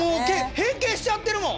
変形しちゃってるもん！